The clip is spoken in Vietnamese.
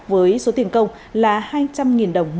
với số tiền công là hai trăm linh đồng